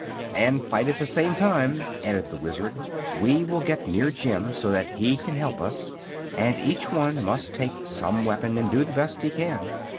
"And fight at the same time," added the Wizard. "We will get near Jim, so that he can help us, and each one must take some weapon and do the best he can.